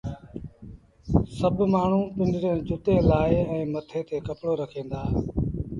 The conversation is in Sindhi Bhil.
سڀ مآڻهوٚٚݩ پنڊريٚݩ جُتيٚن لآهي ائيٚݩ مٿي تي ڪپڙو رکين دآ